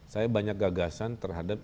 saya banyak gagasan terhadap